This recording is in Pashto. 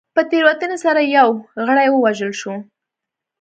په تېروتنې سره یو غړی ووژل شو.